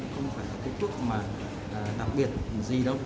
không phải là cái thuốc mà đặc biệt gì đâu